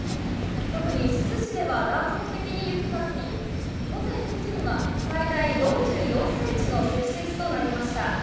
特に珠洲市では断続的に雪が降り、午前９時には最大４４センチの積雪となりました。